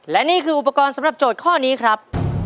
และนี่คืออุปกรณ์สำหรับโจทย์ข้อนี้ครับ